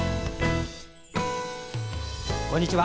こんにちは。